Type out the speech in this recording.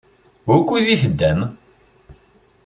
Wukud i teddam?